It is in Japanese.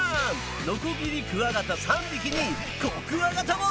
ノコギリクワガタ３匹にコクワガタも！